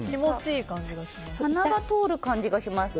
鼻が通る感じがします。